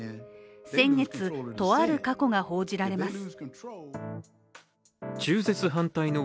先月、とある過去が報じられます。